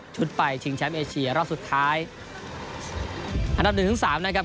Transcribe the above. ไปชิงแชมป์เอเชียรอบสุดท้ายอันดับหนึ่งถึงสามนะครับ